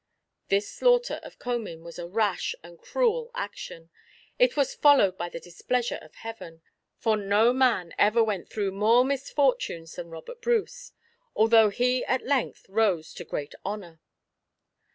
This slaughter of Comyn was a rash and cruel action. It was followed by the displeasure of Heaven; for no man ever went through more misfortunes than Robert Bruce, although he at length rose to great honour.